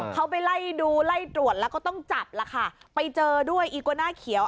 เขาไปไล่ดูไล่ตรวจแล้วก็ต้องจับล่ะค่ะไปเจอด้วยอีโกน่าเขียว